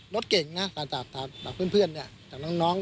รถเก่งนะจากเพื่อนจากน้อง